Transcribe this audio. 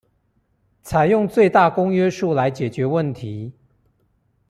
採用最大公約數來解決問題